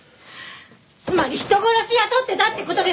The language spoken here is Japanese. つまり人殺し雇ってたって事ですよね！？